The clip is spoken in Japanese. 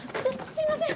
すいません。